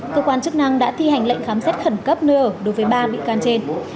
cơ quan chức năng đã thi hành lệnh khám xét khẩn cấp nơi ở đối với ba bị can trên